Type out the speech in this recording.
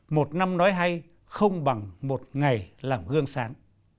một năm nói hay không bằng một ngày làm gương sáng